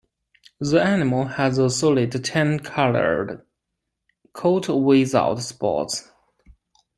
The animal has a solid tan-colored coat without spots.